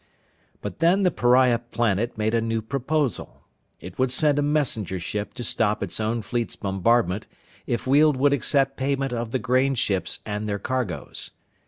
But then the pariah planet made a new proposal. It would send a messenger ship to stop its own fleet's bombardment if Weald would accept payment of the grain ships and their cargos.